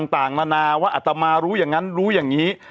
ต่างนานาว่าอัตมารู้อย่างนั้นรู้อย่างนี้